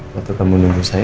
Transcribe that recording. waktu kamu nunggu saya